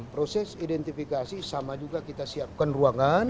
proses identifikasi sama juga kita siapkan ruangan